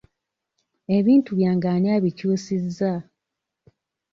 Ebintu byange ani abikyusizza?